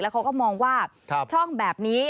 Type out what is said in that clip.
เขาก็มองว่าช่องแบบนี้